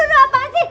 aduh apaan sih